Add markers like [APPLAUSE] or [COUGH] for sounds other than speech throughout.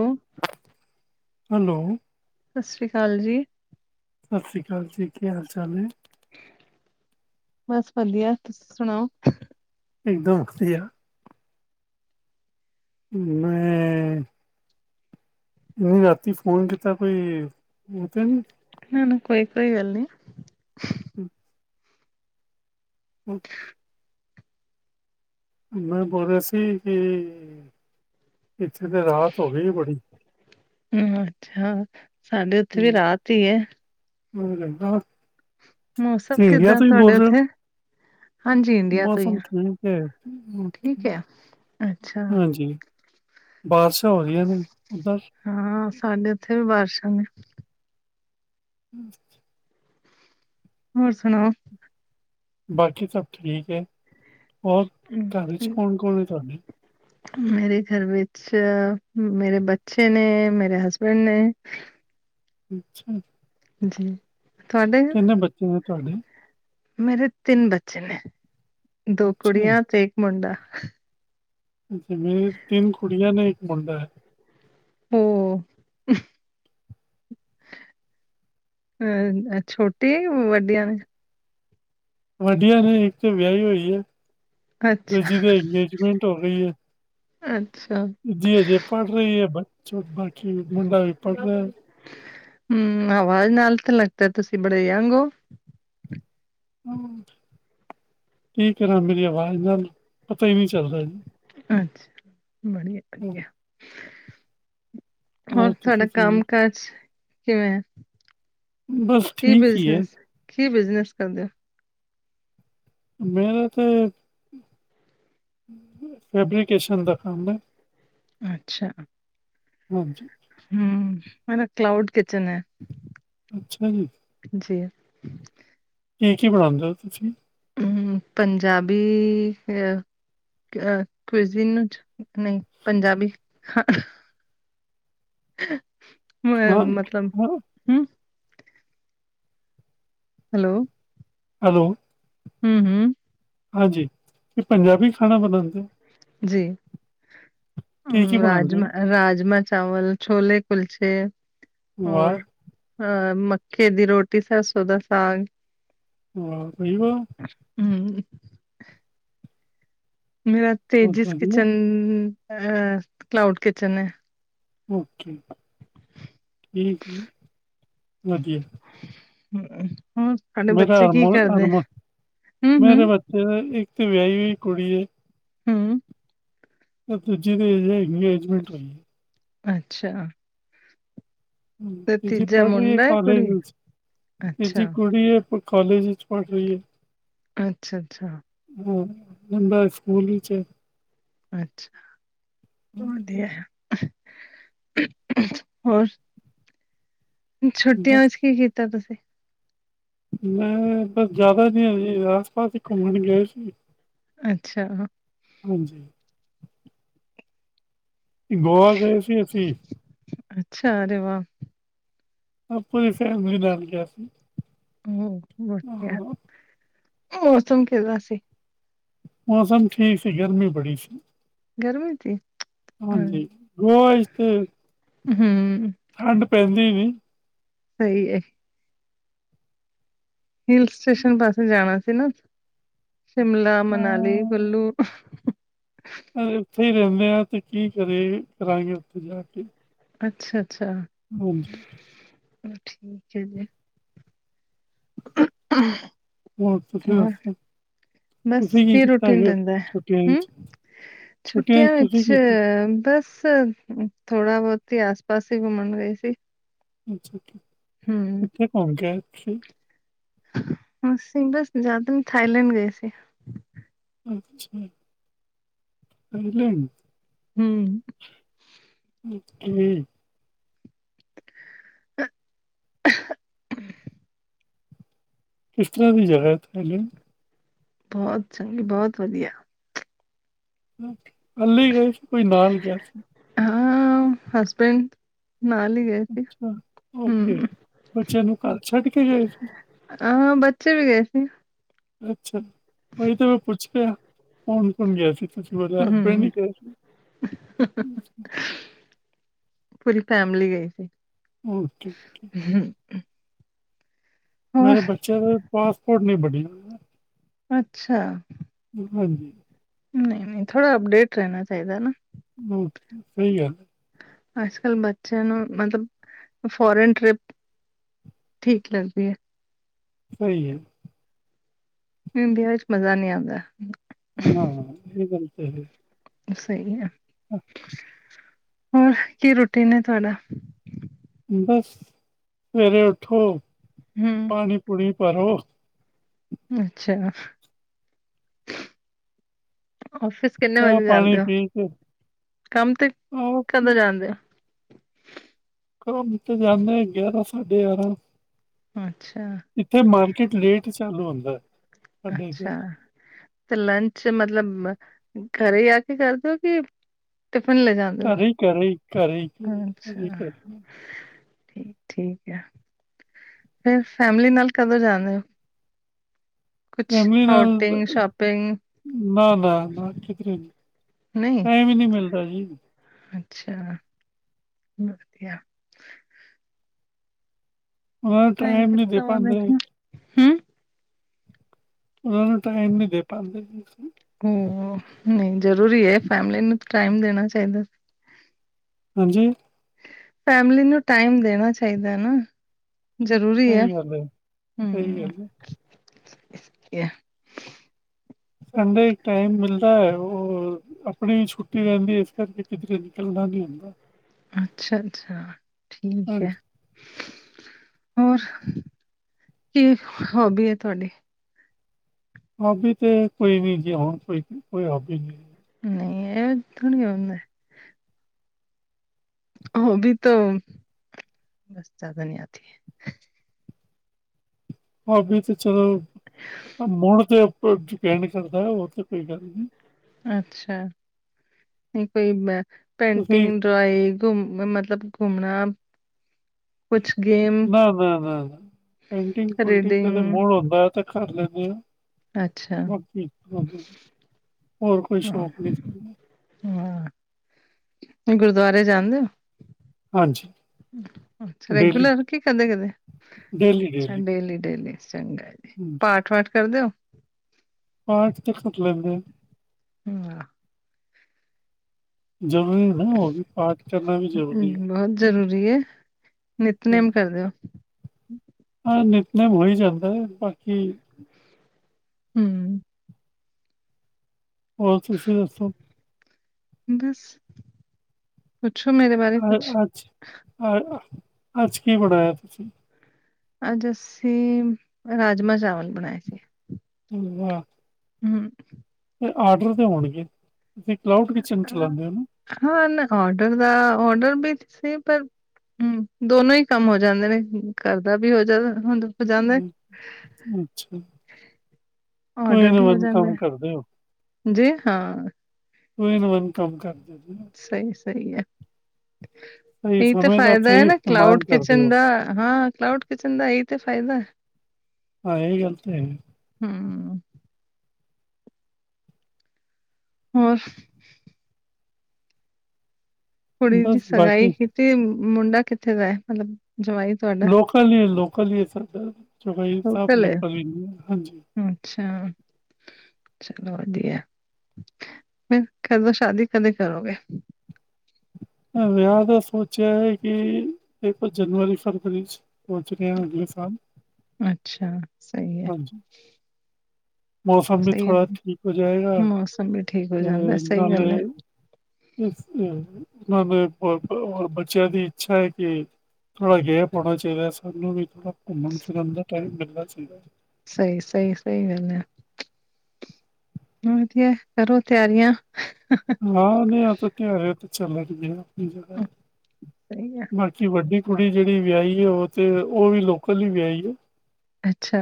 Hello hello. ਸਸਰੀ ਕਾਲ ਜੀ। ਸਾਸਰੀ ਕਾਲ ਜੀ ਕੀ ਹਾਲ ਚਾਲ ਨੇ? ਬਸ ਵਧੀਆ ਤੁਸੀ ਸੁਣਾਓ? ਇੱਕ ਦਮ ਵਧੀਆ। ਮੈਂ [INAUDIBLE] ਇੰਨੀ ਰਾਤੀ ਫੋਨ ਕੀਤਾ ਕੋਈ ਓ ਤਾਂ ਨਈ? ਨਾ-ਨਾ ਕੋਈ-ਕੋਈ ਗੱਲ ਨਈ। ਹੂੰ। ਹੂੰ। ਮੈਂ ਬੋਲ ਰੇਆ ਸੀ ਕਿ ਇੱਥੇ ਤੇ ਰਾਤ ਹੋ ਗਈ ਬੜੀ। ਹੂੰ ਅੱਛਾ ਸਾਡੇ ਓਥੇ ਵੀ ਰਾਤ ਈ ਐ। ਹੂੰ [UNINTELLIGIBLE] ਮੌਸਮ ਕਿੱਦਾਂ ਤੁਹਾਡੇ ਰਹੇ ਹੋ? ਓਥੇ? ਮੌਸਮ ਠੀਕ ਐ ਠੀਕ ਹੈ। ਅੱਛਾ ਹਾਂਜੀ। ਬਾਰਸ਼ਾਂ ਹੋ ਰਈਆਂ ਨੇ ਓਧਰ। ਹਾਂ ਸਾਡੇ ਓਥੇ ਵੀ ਬਾਰਸ਼ਾਂ ਨੇ। ਹੂੰ। ਹੋਰ ਸੁਣਾਓ? ਬਾਂਕੀ ਸਭ ਠੀਕ ਏ ਹੋਰ ਘਰ ਚ ਕੌਣ-ਕੌਣ ਤੁਹਾਡੇ? ਮੇਰੇ ਗਰ ਵਿੱਚ ਛਾ ਮੇਰੇ ਬੱਚੇ ਨੇ ਮੇਰੇ ਹਸਬੈਂਡ ਨੇ। ਅੱਛਾ। ਜੀ। ਤੁਹਾਡੇ ਕਿੰਨੇ ਬੱਚੇ ਨੇ ਤੁਆਡੇ? ਮੇਰੇ ਤਿੰਨ ਬੱਚੇ ਨੇ ਦੋ ਅੱਛਾ, ਕੁੜੀਆਂ ਤੇ ਇੱਕ ਮੁੰਡਾਂ। ਜਿਵੇਂ ਤਿੰਨ ਕੁੜੀਆਂ ਨੇ ਇੱਕ ਮੁੰਡਾਂ ਐ। ਹੋ ਅ ਛੋਟੇ ਆਂ ਕਿ ਵੱਡੀਆਂ ਨੇ? ਵੱਡੀਆਂ ਨੇ ਇੱਕ ਤੇ ਵਿਆਈ ਹੋਈ ਐ ਅੱਛਾ ਦੂਜੀ ਦੇ ਅੰਗੇਜਮੈਂਟ ਹੋ ਗਈਂ ਐ। ਅੱਛਾ। ਜੀ ਦੂਜੀ ਅਜੇ ਪੜ ਰੀ ਏ ਬੱਚਾ ਮੁੰਡਾਂ ਵੀ ਪੜ੍ਹ ਰਿਹਾਂ। ਹੂੰ ਆਵਾਜ਼ ਨਾਲ ਤਾਂ ਲੱਗਦਾ ਤੁਸੀਂ ਬੜੇ ਯੰਗ ਓ? ਕੀ ਕਰਾਂ ਮੇਰੀ ਅਵਾਜ਼ ਨਾਲ ਪਤਾਂ ਈ ਨੀ ਚੱਲਦਾ ਜੀ। ਅੱਛਾਂ ਵਧੀਆਂ-ਵਧੀਆਂ। ਹੋਰ ਤੁਹਾਡਾ ਤੁਸੀਂ ਸੁਣਾਓ ਕੰਮ-ਕਾਜ਼? ਕਿਵੇਂ ਆ ਬਸ ਕੀ ਠੀਕ ਹੀ ਹੈ ਬਿਜ਼ਨਸ ਐ ਕੀ ਬਿਜ਼ਨਸ ਕਰਦੇਂ ਓ? ਮੇਰਾ ਤਾਂ ਫੈਬਰਿਕਕੇਸ਼ਨ ਦਾ ਕੰਮ ਐ। ਅੱਛਾ, ਹਾਂਜੀ। ਹੂੰ, ਮੇਰਾ ਕਲਾਊਡ ਕਿਚਨ ਐ। ਅੱਛਾ ਜੀ। ਜੀ। ਕੀ ਕੀ ਬਣਾਂਦੇ ਓ ਜੀ ਤੁਸੀਂ? ਹੂੰ, ਪੰਜਾਬੀ [INAUDIBLE] ਨਈ ਪੰਜਾਬੀ, ਹਾਂ ਮ-ਮਤਲਬ ਹਾਂ ਹੂੰ, ਹੈਲੋ, ਹੈਲੋ। ਹੂੰ ਹੂੰ, ਹਾਂਜੀ, ਫੇਰ ਪੰਜਾਬੀ ਖਾਣਾ ਬਣਾਂਦੇ ਓ? ਜੀ ਕੀ ਕੀ ਬਣਾਉਂਦੇ ਰਾਜਮਾਂ ਰਾਜਮਾਂ ਚਾਵਲ। ਛੋਲੇ ਕੁਲਚੇ ਹੋ ਵਾਹ ਔਰ ਹਾਂ, ਮੱਕੇ ਦੀ ਰੋਟੀ ਸਰਸੋਂ ਦਾ ਸਾਗ। [UNINTELLIGIBLE] ਠੀਕ ਆ। ਹੂੰ, ਮੇਰਾ ਤੇ ਬਹੁਤ ਜਿਸ ਵਧੀਆ ਕਿਚਨ ਅ ਕਲਾਊਡ ਕਿਚਨ ਐ। ਓਕੇ ਠੀਕ ਐ ਵਧੀਆ। ਹੋਰ। ਤੁਹਾਡੇ ਮੇਰਾ ਬੱਚੇ ਕੀ ਕਰਦੇ? [UNINTELLIGIBLE] ਮੇਰੇ ਹੂੰ-ਹੂੰ-ਹੂੰ ਬੱਚੇ ਇੱਕ ਤੇ ਵਿਆਹੀ ਹੋਈ ਕੁੜੀ ਐ। ਹੂੰ, ਪਰ ਦੂਜੀ ਦੀ ਹਜੇ ਅੰਗਜ ਅੰਗੇਜਮੈਂਟ ਹੋਈ ਐ। ਅੱਛਾ, ਤੇ ਤੀਜ਼ੀ ਤੀਜਾ ਪੜ੍ਹ ਰੀ ਐ ਮੁੰਡਾ ਹੈ ਕਾਲਜ ਕੁੜੀ ਵਿੱਚ ਤੀਜ਼ੀ ਅੱਛਾ। ਕੁੜੀ ਐ। ਕਾਲਜ ਵਿੱਚ ਪੜ ਰੀ ਐ। ਅੱਛਾ ਅੱਛਾ। ਹਾਂ, ਮੁੰਡਾ ਸਕੂਲ ਵਿੱਚ। ਅੱਛਾ ਵਧੀਆ। ਹੋਰ ਛੁੱਟੀਆਂ ਬਸ ਵਿੱਚ ਕੀ ਕੀਤਾ ਤੁਸੀਂ? ਮੈਂ ਬਸ ਜ਼ਿਆਦਾ ਨੀ ਆ ਜੀ ਆਸ ਪਾਸ ਈ ਘੁੰਮਣ ਗਏ ਸੀ। ਅੱਛਾ। ਹਾਂਜੀ। ਗੋਆ ਗਏ ਸੀ ਅਸੀਂ। ਅੱਛਾ ਅਰੇ ਵਾਹ। ਆਪਣੀ ਫੈਮਿਲੀ ਨਾਲ ਗਿਆ ਸੀ। ਹੂੰ, ਵਧੀਆ ਹਾਂ, ਮੌਸਮ ਕਿਵੇਂ ਦਾ ਸੀ? ਮੌਸਮ ਠੀਕ ਸੀ ਗਰਮੀ ਬੜੀ ਸੀ। ਗਰਮੀ ਚ ਈ। ਹਾਂਜੀ ਗੋਆ ਵਿੱਚ ਤੇ। ਹੂੰ, ਠੰਡ ਪੈਂਦੀ ਨੀ। ਸਈ ਏ। ਹਿਲ ਸਟੇਸ਼ਨ ਪਾਸੇ ਜਾਣਾ ਸੀ ਨਾ, ਸ਼ਿਮਲਾ, ਮਨਾਲੀ, ਕੁੱਲੂ ਉੱਥੇ ਈ ਰਹਿੰਦੇ ਆ ਤੇ ਕੀ ਕਰੀਏ, ਕਰਾਈਏ ਉੱਥੇ ਜਾ ਕੇ। ਅੱਛਾ-ਅੱਛਾ। [INAUDIBLE] ਹੋਰ ਠੀਕ ਏ ਜੀ। [INAUDIBLE] ਹੋਰ ਤੁਸੀੇ ਹੋਰ ਦੱਸੋ? ਬਸ ਤੁਸੀਂ ਕੀ ਫੇਰ ਕੀਤਾ ਰੋਟੀ ਨੂੰ ਦੇੰਦਾ ਹੈ, ਛੁੱਟੀਆਂ ਹੂ। ਵਿੱਚ ਛੁੱਟੀਆਂ ਤੁਸੀਂ ਵਿੱਚ ਕੀ ਕੀਤਾ ਬਸ ਥੋੜਾ ਬਹੁਤ ਈ ਆਸ-ਪਾਸ ਹੀ ਘੁੰਮਣ ਗ‌ਈ ਸੀ। ਅੱਛਾ ਠੀਕ, ਹਮ ਕਿੱਥੇ ਘੁਮ ਕੇ ਆਏ ਤੁਸੀਂ। ਅਸੀਂ ਬਸ ਜਾਦੂ ਥਾਈਲੈਂਡ ਗਏ ਸੀ। ਅੱਛਾ, ਥਾਈਲੈਂਡ। ਹੁੰ। [INAUDIBLE] [INAUDIBLE] ਕਿਸ ਤਰ੍ਹਾਂ ਦੀ ਜਗ੍ਹਾ ਏ, ਥਾਈਲੈਂਡ? ਬਹੁਤ ਚੰਗੀ, ਬਹੁਤ ਵਧੀਆ। ਮੰਮੀ ਗ‌ਈ ਸੀ, ਕੋਈ ਨਾਲ ਗਿਆ ਸੀ। ਹਾਂ, ਹਸਬੈਂਡ। ਨਾਲ ਈ ਗ‌ਏ। ਅੱਛਾ, ਓਕੇ। ਬੱਚਿਆਂ ਨੂੰ ਘਰ ਛੱਡ ਕੇ ਗ‌ਏ ਸੀ। ਆਹ ਬੱਚੇ ਵੀ ਗਏ ਸੀ। ਅੱਛਾ, ਉਹੀ ਤੇ ਮੈਂ ਪੁੱਛ ਕਿਆ। ਕੌਣ-ਕੌਣ ਗਿਆ ਸੀ, ਤੁਸੀਂ ਬ ਹਸਬੈਂਡ ਹਮ ਹੀ ਗ‌ਏ ਸੀ। ਫੁਲ ਫੈਮਿਲੀ ਗਈ ਸੀ। ਓਕੇ। [INAUDIBLE] ਹੋਰ ਮੇਰੇ ਬੱਚਿਆਂ ਦੇ ਪਾਸਪੋਰਟ ਨਹੀਂ ਬੱਡੀ। ਅੱਛਾ। ਹਾਂਜੀ। ਨਹੀਂ-ਨਹੀਂ, ਥੋੜਾ ਅਪਡੇਟ ਰਹਿਣਾ ਚਾਹੀਦਾ ਨਾ। ਬ ਸਹੀ ਗੱਲ। ਅੱਜ-ਕੱਲ੍ਹ ਬੱਚਿਆਂ ਨੂੰ, ਮਤਲਬ ਫੋਰਨ ਟ੍ਰਿਪ ਠੀਕ ਲੱਗਦੀ ਐ। ਸਹੀ ਏ। ਇੰਡੀਆ 'ਚ ਮਜ਼ਾ ਨੀ ਆਂਦਾ। ਨਾ, ਇਹ ਗੱਲ ਤੇ ਹੇਗੀ। ਸਹੀ ਆ। ਆਹ। ਹੋਰ ਕੀ ਰੋਟੀਨ ਏ ਤੁਹਾਡਾ ਬਸ, ਸਵੇਰੇ ਉੱਠੋ ਹਮ ਪਾਣੀ-ਪੂਣੀ ਭਰੋ ਅੱਛਾ। ਔਫਿਸ ਕਿੰਨੇ ਚਾਹ ਵਜੇ ਪਾਣੀ ਜਾਂਦੇ ਓ, ਪੀ ਕੇ ਕੰਮ ਤੇ ਆਪ ਕਦੋਂ ਜਾਂਦੇ ਓ? ਘੋਮ ਤੇ ਜਾਂਨੇ, ਗਿਆਰਾਂ ਸਾਢੇ ਯਾਂਰਾਂ। ਅੱਛਾ। ਇੱਥੇ ਮਾਰਕੀਟ ਲੇਟ ਚਾਲੂ ਹੁੰਦੈ। ਅੱਛਾ। ਤੇ ਲੰਚ ਮਤਲਬ, ਘਰੇ ਆ ਕੇ ਕਰ ਦੇ ਓ ਕੀ ਟਿਫਿਨ ਲੈਜਾ? ਘਰੇ ਈ ਕਰਨੇ ਆ ਜੀ, ਘਰੇ ਈ-ਘਰੇ ਈ ਅੱਛਾ ਕਰਨੇ ਆ। ਠੀਕ ਠੀਕ ਐ, ਫੇਰ ਫੈਮਲੀ ਨਾਲ ਕਦੋਂ ਜਾਂਨੇ ਓ? ਫੈਮਲੀ ਨਾਲ, ਆਊਟਿੰਗ ਅ ਸ਼ਾਪਿੰਗ ਮੈਂ ਨਾ-ਨਾ ਕਿਦਰੇ ਨੀ। ਨਹੀਂ ਟਾਈਮ ਈ ਨੀ ਮਿਲਦਾ ਜੀ। ਅੱਛਾ। ਵਦੀਆ। ਉਹਨਾਂ ਨੂੰ ਟਾਈਮ ਨਹੀਂ ਦੇ ਕਿੱਤਾ ਪਾਉਂਦੇ [UNINTELLIGIBLE] ਹੂੰ। ਉਨਾਂ ਨੂੰ ਟਾਈਮ ਨਈ ਦੇ ਪਾਂਦੇ ਜੀ ਅਸੀ। ਹੋ, ਨਈ ਜਰੂਰੀ ਏ ਫੈਮਲੀ ਨੂੰ ਤੇ ਟਾਈਮ ਦੇਣਾ ਚਾਈਦੈ। ਹਾਂਜੀ? ਫੈਮਲੀ ਨੂੰ ਟਾਈਮ ਦੇਣਾ ਚਾਈਦੈ ਨਾ। ਜਰੂਰੀ ਐ, ਸਹੀ ਗੱਲ ਹੈ, ਸਹੀ ਹੂੰ। ਗੱਲ ਹੈ। ਸੰਡੇ ਇਕ ਟਾਈਮ ਮਿਲਦਾ ਐ ਓ ਅਪਣੀ, ਛੁੱਟੀ ਰੈਂਦੀ ਏ ਇੱਸ ਕਰਕੇ ਕਿਦਰੇ ਨਿਕਲਨਾ ਨੀ ਹੋਂਦਾ। ਅੱਛਾ-ਅੱਛਾ, ਠੀਕ ਐ। ਹਾਂਜੀ, ਹੋਰ, ਕੀ ਹੌਬੀ ਐ ਤੁਆਡੀ? ਹੌਬੀ ਤੇ ਕੋਈ ਵੀਜੀ ਨੀ ਹੋਣ ਕੋਈ, ਕੋਈ ਹੌਬੀ ਨੀ ਜੀ। ਨਈ ਐਕਣ ਕੇ [UNINTELLIGIBLE] ਹੌਬੀ ਤੋ, ਬਸ ਜਾਦਾ ਨੀ ਆਤੀ ਹੈ। ਹੌਬੀ ਤੇ ਚਲੋ, ਮੋੜ ਤੇ ਅ ਓਪਰ ਡਿਪੈਂਡ ਕਰਦਾ ਐ ਹੋਰ ਤੇ ਕੋਈ ਗੱਲ ਨੀ। ਅੱਛਾ, ਨਈ ਕੋਈ ਬ ਤੁਸੀਂ ਪੇਟਿੰਗ [UNINTELLIGIBLE] ਮਤਲਬ ਘੁੰਮਣਾ ਕੁੱਛ ਗੇਮ ਨਾ-ਨਾ ਨਾ-ਨਾ, ਪੇਟਿੰਗ-ਪੁਟਿੰਗ ਕਦੇ ਰੀਡਿੰਗ ਮੋੜ ਹੋਂਦਾ ਐ ਤੇ ਕਾਰ ਲੈਂਨੇ ਆ। ਅੱਛਾ ਬਾਕੀ ਹੋਰ ਕੋਈ, ਹੋਰ ਹਾਂ ਸ਼ੌਕ ਨੀ ਹਾਂ, ਤੁਈ ਗੁਰਦਾਰੇ ਜਾਦੇ ਓ? ਹਾਂਜੀ। ਅੱਛਾ, ਡੇਲੀ, ਰੇਗੂਲਰ ਕੀ ਕਦੇ-ਕਦੇ? ਸ ਡੇਲੀ-ਡੇਲੀ। Daily daily Sunday. ਪਾਠ-ਵਾਠ ਕਰਦੇ ਓ? ਪਾਠ ਤ ਕਰ ਲੈਂਦੇ ਆ। [INAUDIBLE] ਜ਼ਰੂਰੀ ਏ ਨਾਜ ਓ ਵੀ ਪਾਠ ਕਰਨਾ ਵੀ ਜਰੂਰੀ ਏ। ਜਰੂਰੀ ਏ, ਨਿਤਨੇਮ ਕਰਦੇ ਓ? ਹਾਂ, ਨਿੱਤਨੇਮ ਹੋ ਹੀ ਜਾਂਦੈ ਬਾਕੀ ਹੂੰ। ਹੋਰ ਤੁਸੀਂ ਦੱਸੋ? ਬੱਸ ਪੁੱਛੋ ਮੇਰੇ ਵ ਅ ਅੱਜ, ਅ ਅੱਜ ਕੀ ਬਣਾਏ ਆ ਤੁਸੀ? ਅੱਜ ਅਸੀਂ, ਰਾਜਮਾਂ-ਚਾਵਲ ਬਣਾਏ ਸੀ। ਹੂੰ, ਵਾ। ਹੂ ਫੇ ਆਰਡਰ ਦੇ ਹੋਣਗੇ, ਤੁਂਸੀ ਕਲਾਊਡ ਕਿਚਨ ਚਲਾਉਂਦੇ ਹੋ ਨਾ। ਹਾਂ ਨਾ ਔਡਰ ਦਾ, ਔਡਰ ਵੀ ਸੀ ਪਰ ਹੂ, ਦੋਨੋ ਹੀ ਕੰਮ ਹੋ ਜਾਂਦੇ ਨੇ, ਘਰ ਦਾ ਵੀ ਹੋ ਜਾਂਦਾ ਹੁਣ ਹੂ, ਅੱਛਾ। ਕੋਈ ਆਰਡਰ ਵੀ ਨਵਾਂ ਹੋ ਜਾਂਦਾ ਕੰਮ ਕਰਦੇ ਹੋ। ਹੈ। ਜੀ ਹਾਂ, ਟੂ ਇਨ ਵਨ ਕੰਮ ਕਰਦੇ ਹਾਂ। ਸਹੀ-ਸਹੀ ਹੈ ਸਹੀ ਏਇ ਤਾਂ ਸਮੇਂ ਦਾ ਫਾਇਦਾ ਹੈ ਸਹੀ ਨਾ ਇਸਤੇਮਾਲ ਕਲਾਉਡ ਕਰਦੇ ਕਿਚਨ ਹੋ ਦਾ। ਹਾਂ ਕਲਾਉਡ ਕਿਚਨ ਦਾ ਏਇ ਤੇ ਫਾਇਦਾ। ਹਾਂ ਏ ਗਲ ਤੇ ਹੈ। ਹੂ ਹੋਰ ਕੁੜੀ ਦੀ ਬਸ ਸਗਾਈ ਬਾਕੀ ਕੀਤੀ ਮੁੰਡਾ ਕਿੱਥੇ ਦਾ ਹੈ। ਮਤਲਬ ਜਵਾਈ। ਤੁਹਾਡਾ ਲੋਕਲ ਈ ਹੈ, ਲੋਕਲ ਈ ਹੈ ਸਾਡਾ ਜਵਾਈ ਸਾਬ ਲੋਕਲ ਈ ਹੈ। ਹਾਂਜੀ। ਅੱਛਾ। ਚਲੋ ਵਧੀਆ। ਫ ਕਦੋਂ ਸ਼ਾਦੀ ਕਦੇ ਕਰੋਗੇ। ਵਿਆਹ ਤਾਂ ਸੋਚਿਆ ਹੈ ਕਿ ਇੱਕ ਜਨਵਰੀ, ਫਰਵਰੀ 'ਚ ਪਹੁਚ ਰਹੇ ਹਾਂ ਅਗਲੇ ਸਾਲ। ਅੱਛਾ ਸਹੀ ਹੈ। [INAUDIBLE] ਮੌਸਮ ਵੀ ਸਹੀ ਹੈ ਥੋੜ੍ਹਾ ਠੀਕ ਹੋ ਜਾਏਗਾ। ਮੌਸਮ ਵੀ ਠੀਕ ਹੋ ਤੇ ਜਾਂਦਾ ਹੈ, ਸਹੀ ਨਾਲੇ ਗੱਲ ਹੈ ਇਸ ਉਹਨਾਂ ਨੇ ਬਹੁ ਬਚਿਆਂ ਦੀ ਇੱਛਾ ਹੈ ਕਿ ਥੋੜ੍ਹਾ ਗੈਪ ਪਾਉਣਾ ਚਾਹੀਦਾ ਸਾਨੂੰ ਵੀ ਥੋੜਾ ਘੁੰਮਣ -ਫਿਰਨ ਦਾ ਟੈਮ ਮਿਲਣਾ ਚਾਹੀਦਾ। ਸਹੀ-ਸਹੀ-ਸਹੀ ਗੱਲ ਹੈ। ਵਧੀਆ, ਕਰੋ ਤਿਆਰੀਆਂ। ਹੈ। ਹਾਂ। ਨਹੀਂ ਆ, ਤਾਂ ਤਿਆਰੀ ਤੇ ਚੱਲ ਰਹੀ ਹੈ ਆਪਣੀ ਜਗ੍ਹਾ ਸਹੀ ਹੈ। ਬਾਕੀ ਵੱਡੀ ਕੁੜੀ ਜਿਹੜੀ ਵਿਆਹੀ ਹੈ ਉਹ ਤੇ ਉਹ ਵੀ ਲੋਕਲ ਹੀ ਵਿਆਹੀ ਹੈ। ਅੱਛਾ।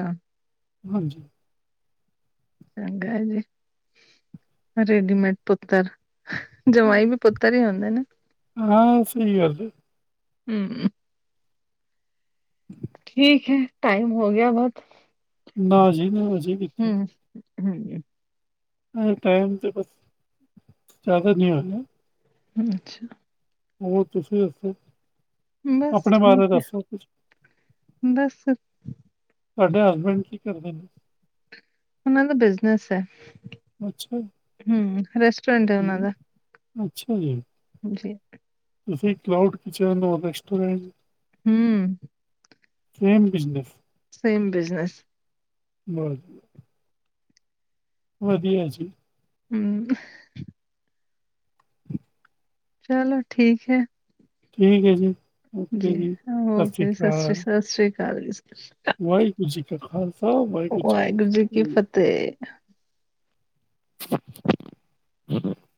ਹਾਂਜੀ। ਚੰਗਾ ਹੈ ਜੀ। ਰੇਡੀਮੇਡ ਪੁੱਤਰ। ਜਵਾਈ ਵੀ ਪੁੱਤਰ ਹੀ ਹੁੰਦੇ ਨੇ। ਹਾਂ ਸਹੀ ਗੱਲ ਹੈ ਹੁ- ਠੀਕ ਹੈ ਟਾਈਮ ਹੋ ਗਿਆ ਬਹੁਤ। ਨਾਜੀ-ਨਾਜੀ। ਹੂ, ਹਾਂਜੀ। ਟਾਈਮ ਤਾਂ ਬਸ ਜ਼ਿਆਦਾ ਨਹੀਂ ਹੋਣਾ। ਅੱਛਾ। ਉਹ ਤੁਸੀਂ ਦਸੋ। ਬਸ ਆਪਣੇ ਠੀਕ ਬਾਰੇ ਹੈ ਦੱਸੋ ਕੁਛ? ਬਸ ਤੋਹਾਡੇ ਹਸਬੈਂਡ ਕੀ ਕਰਦੇ ਨੇ? ਉਹਨਾਂ ਦਾ ਬਿਜਨਸ ਹੈ। ਹੂ, ਰੈਸ ਹੂੰ, ਅੱਛਾ, ਜੀ। ਠੀਕ ਹੈ। ਤੁਸੀ, ਚਲੋ ਬੱਚਿਆਂ ਦਾ ਰਸਟੋਰੈਂਟ। ਹੂੰ ਸੇਮ ਬਿਜਨਸ ਸੇਮ ਬਿਜਨਸ [UNINTELLIGIBLE] ਵਧੀਆ ਜੀ। ਹੂੰ, ਚਲੋ ਠੀਕ ਐ ਠੀਕ ਐ ਜੀ ਜੀ ਓਕੇ ਸਤਿ ਓਕੇ ਜੀ, ਸਤਿ ਸ਼੍ਰੀ ਅਕਾਲ ਸਤਿ ਸ਼੍ਰੀ ਅਕਾਲ ਜੀ ਸਤਿ ਸ਼੍ਰੀ ਕਾਲ ਵਾਹਿਗੁਰੂ ਜੀ ਕਾ ਖਾਲਸਾ, ਵਾਹਿਗੁਰੂ ਜੀ ਕੀ ਫਤਿਹ ਤੇ [INAUDIBLE]